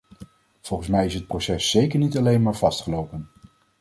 Volgens mij is het proces zeker niet alleen maar vastgelopen.